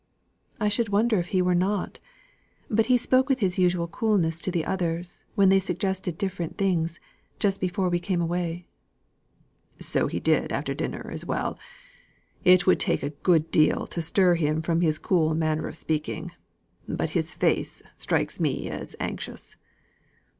"I should wonder if he were not. But he spoke with his usual coolness to the others, when they suggested different things, just before we came away." "So he did after dinner as well. It would take a good deal to stir him from his cool manner of speaking; but his face strikes me as anxious."